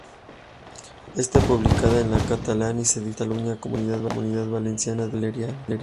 Está publicada en catalán y se difunde en Cataluña, Comunidad Valenciana e Islas Baleares.